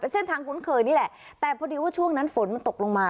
เส้นทางคุ้นเคยนี่แหละแต่พอดีว่าช่วงนั้นฝนมันตกลงมา